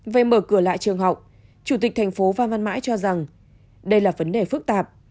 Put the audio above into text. về mở cửa lại trường học chủ tịch tp hcm cho rằng đây là vấn đề phức tạp